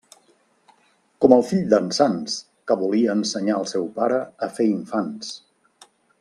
Com el fill d'en Sanç, que volia ensenyar el seu pare a fer infants.